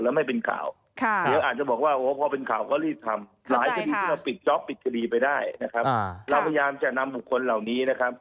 และพยายามจะประชาสำภาท